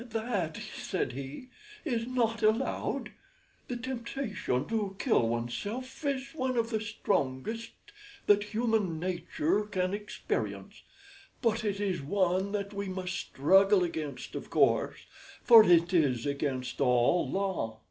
"That," said he, "is not allowed. The temptation to kill one's self is one of the strongest that human nature can experience, but it is one that we must struggle against, of course, for it is against all law.